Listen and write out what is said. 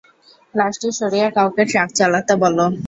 লাশটি সরিয়ে কাউকে ট্রাক চালাতে বল।